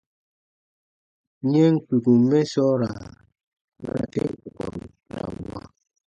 Yɛm kpikum mɛ sɔɔra bara ten kɔkɔru ta ra n wãa.